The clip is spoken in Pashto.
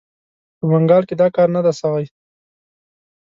په بنګال کې دا کار نه دی سوی.